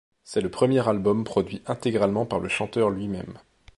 C'est le premier album produit intégralement par le chanteur lui-même.